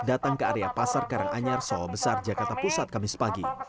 datang ke area pasar karanganyar soho besar jakarta pusat kamis pagi